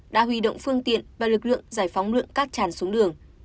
đã huy động phương tiện và lực lượng giải phóng lượng cát tràn xuống đường